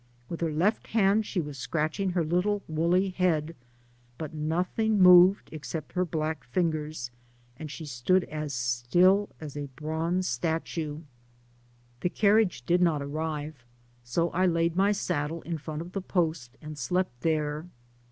With her left hand she was scratching her little woolly head, but nothing moved except her black fingers, and she stood as still as a bronze statue. The carriage did not arrive, so I laid my saddle in front of the post, and slept there.